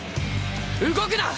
動くな！